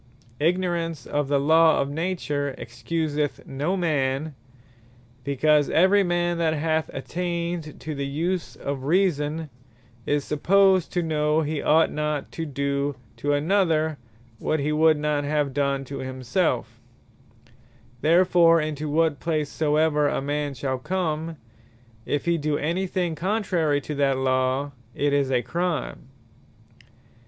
Ignorance of the Law of Nature Excuseth no man; because every man that hath attained to the use of Reason, is supposed to know, he ought not to do to another, what he would not have done to himselfe. Therefore into what place soever a man shall come, if he do any thing contrary to that Law, it is a Crime.